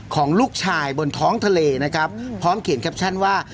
ของลูกชายบนท้องทะเลนะครับพร้อมเขียนแคปชั่นว่า